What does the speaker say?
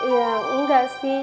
ya enggak sih